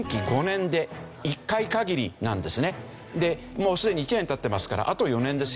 もうすでに１年経ってますからあと４年ですよね。